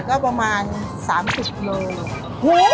ไก่ก็ประมาณ๓๐ลิตรเลย